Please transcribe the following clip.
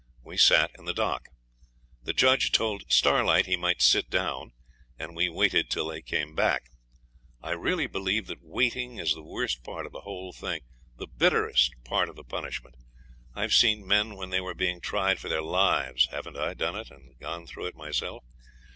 We sat in the dock. The judge told Starlight he might sit down, and we waited till they came back. I really believe that waiting is the worst part of the whole thing, the bitterest part of the punishment. I've seen men when they were being tried for their lives haven't I done it, and gone through it myself?